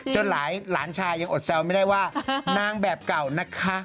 หลายหลานชายยังอดแซวไม่ได้ว่านางแบบเก่านะคะ